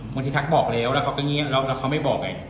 คนที่ทักบอกแล้วแล้วเขาก็เงียบแล้วเขาไม่บอกไง